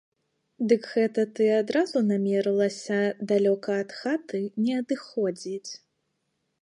Дык гэта ты адразу намерылася далёка ад хаты не адыходзіць?